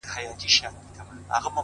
وخت د کارونو اصلي ارزښت څرګندوي؛